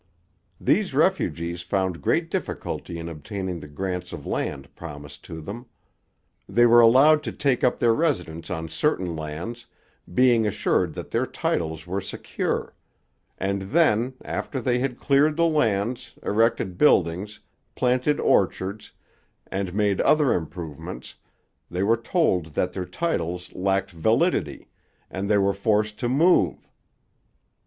These refugees found great difficulty in obtaining the grants of land promised to them. They were allowed to take up their residence on certain lands, being assured that their titles were secure; and then, after they had cleared the lands, erected buildings, planted orchards, and made other improvements, they were told that their titles lacked validity, and they were forced to move.